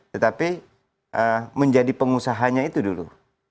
tetapi menjadi pengusahanya itu dulu